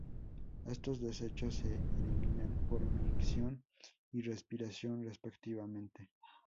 Estos desechos se eliminan por micción y respiración respectivamente.